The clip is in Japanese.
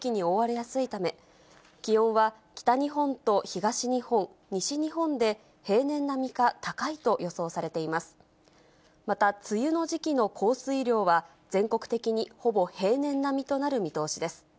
また梅雨の時期の降水量は、全国的にほぼ平年並みとなる見通しです。